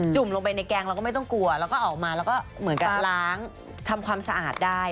ุ่มลงไปในแกงเราก็ไม่ต้องกลัวแล้วก็ออกมาแล้วก็เหมือนกับล้างทำความสะอาดได้